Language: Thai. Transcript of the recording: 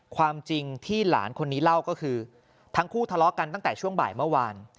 ความจริงที่หลานคนนี้เล่าก็คือทั้งคู่ทะเลาะกันตั้งแต่ช่วงบ่ายเมื่อวาน